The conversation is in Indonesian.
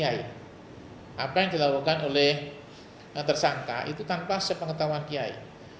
apa yang dilakukan oleh tersangka itu tanpa sepengetahuan kiai